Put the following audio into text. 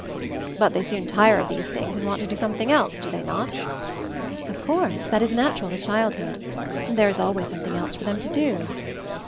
"But they soon tire of these things and want to do something else, do they not?" "Of course. That is natural to childhood. And there is always something else for them to do."